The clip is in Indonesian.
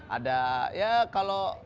ada ya kalau